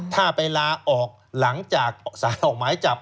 ถ้าไปลาออกหลังจากสารออกหมายจับ